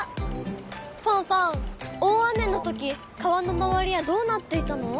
ファンファン大雨のとき川の周りはどうなっていたの？